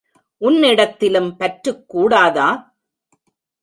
உன்னிடத்திலும் பற்றுக் கூடாதா?